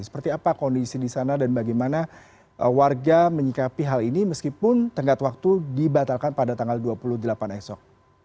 seperti apa kondisi di sana dan bagaimana warga menyikapi hal ini meskipun tenggat waktu dibatalkan pada tanggal dua puluh delapan esok